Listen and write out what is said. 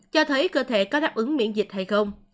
cho thấy cơ thể có đáp ứng miễn dịch hay không